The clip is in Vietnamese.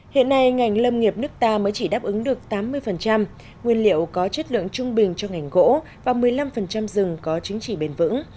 hiện nay ngành lâm nghiệp nước ta mới chỉ đáp ứng được tám mươi nguyên liệu có chất lượng trung bình cho ngành gỗ và một mươi năm rừng có chính trị bền vững